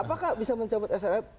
apakah bisa mencabut slf